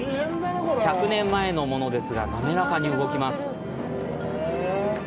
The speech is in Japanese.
１００年前のものですが、滑らかに動きます。